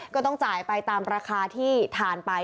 ก็ต้องจ่ายไปตามราคาที่ทานไป